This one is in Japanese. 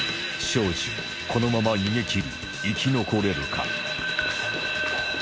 庄司このまま逃げ切り生き残れるか？